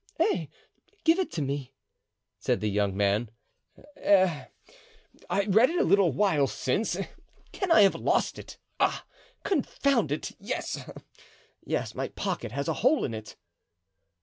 "Eh, give it to me!" said the young man. "Eh! I read it a little while since. Can I have lost it? Ah! confound it! yes, my pocket has a hole in it."